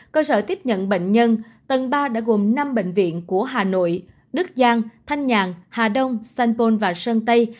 cơ sở tiếp nhận bệnh nhân tầng ba đã gồm năm bệnh viện của hà nội đức giang thanh nhàn hà đông sanpon và sơn tây